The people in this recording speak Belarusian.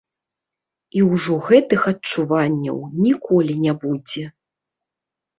І ўжо гэтых адчуванняў ніколі не будзе.